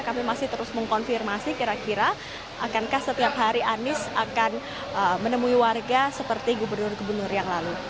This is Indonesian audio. kami masih terus mengkonfirmasi kira kira akankah setiap hari anies akan menemui warga seperti gubernur gubernur yang lalu